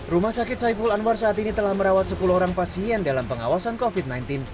rumah sakit saiful anwar saat ini telah merawat sepuluh orang pasien dalam pengawasan covid sembilan belas